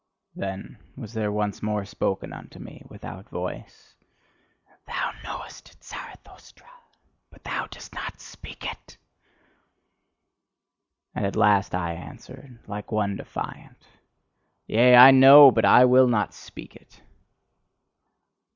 Then was there once more spoken unto me without voice: "Thou knowest it, Zarathustra, but thou dost not speak it!" And at last I answered, like one defiant: "Yea, I know it, but I will not speak it!"